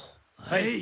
はい。